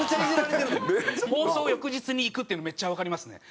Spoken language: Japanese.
放送翌日に行くっていうのめっちゃわかりますね。